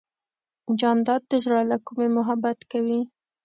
جانداد د زړه له کومې محبت کوي.